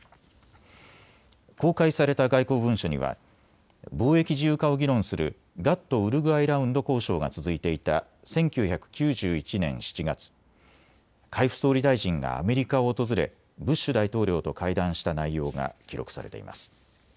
公開された外交文書には貿易自由化を議論するガット・ウルグアイラウンド交渉が続いていた１９９１年７月、海部総理大臣がアメリカを訪れブッシュ大統領と会談した内容が記録されています。